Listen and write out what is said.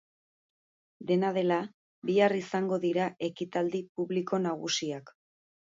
Dena dela, bihar izango dira ekitaldi publiko nagusiak.